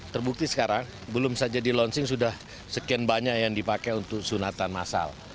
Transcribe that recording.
terbukti sekarang belum saja di launching sudah sekian banyak yang dipakai untuk sunatan masal